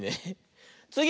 つぎ！